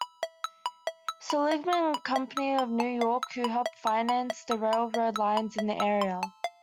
Seligman Company of New York, who helped finance the railroad lines in the area.